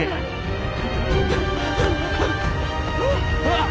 あっ！